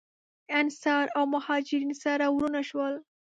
انصار او مهاجرین سره وروڼه شول.